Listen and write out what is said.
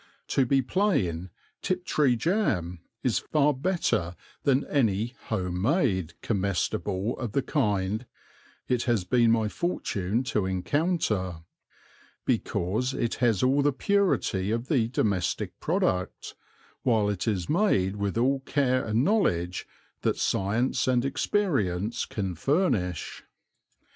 To be plain, Tiptree jam is far better than any "home made" comestible of the kind it has been my fortune to encounter, because it has all the purity of the domestic product, while it is made with all care and knowledge that science and experience can furnish.